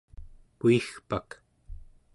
Kuigpak